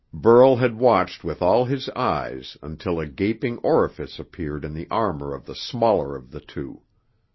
Burl had watched with all his eyes until a gaping orifice appeared in the armor of the smaller of the two.